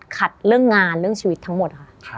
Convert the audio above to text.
เรื่องงานเรื่องชีวิตทั้งหมดค่ะ